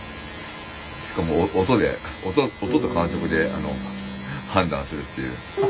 しかも音で音と感触で判断するっていう。